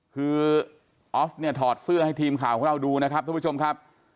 คือออฟเนี่ยถอดเสื้อให้ทีมข่าวของเราดูนะครับทุกผู้ชมครับ